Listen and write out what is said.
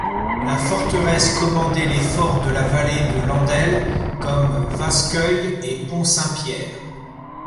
La forteresse commandait les forts de la vallée de l'Andelle comme Vascoeuil et Pont-Saint-Pierre.